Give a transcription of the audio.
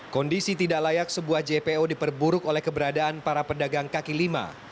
kondisi tidak layak sebuah jpo diperburuk oleh keberadaan para pedagang kaki lima